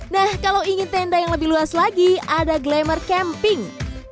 nah kalau ingin tenda yang lebih luas lagi ada glamour camping